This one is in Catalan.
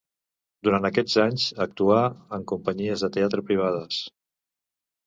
Durant aquests anys actuà en companyies de teatre privades.